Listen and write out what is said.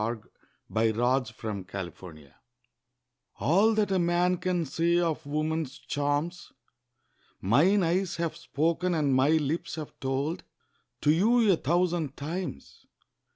A BACHELOR TO A MARRIED FLIRT ALL that a man can say of woman's charms, Mine eyes have spoken and my lips have told To you a thousand times.